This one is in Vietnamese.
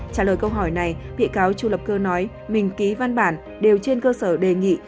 trả lời câu hỏi này bị cáo chu lập cơ nói mình ký văn bản đều trên cơ sở đề nghị